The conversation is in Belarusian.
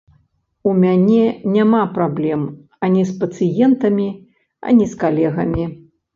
У мяне няма праблем ані з пацыентамі, ані з калегамі.